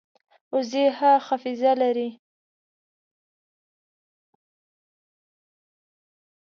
وزې ښه حافظه لري